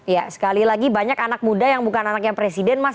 ya sekali lagi banyak anak muda yang bukan anaknya presiden mas